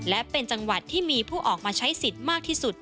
และเป็นจังหวัดที่มีผู้ออกมาใช้สิทธิ์มากที่สุด